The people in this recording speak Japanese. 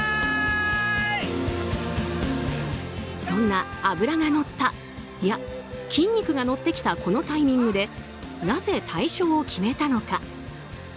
そんな脂がのったいや、筋肉がのってきたこのタイミングでなぜ退所を決めたのか。